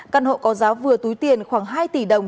căn hộ có giá vừa túi tiền khoảng hai tỷ đồng